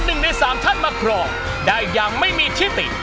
หนึ่งในสามท่านมาครองได้อย่างไม่มีที่ติด